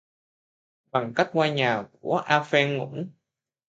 Bằng cách qua nhà của A Pheng ngủ